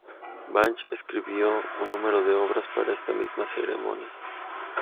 Bach escribió un número de obras para esta misma ceremonia.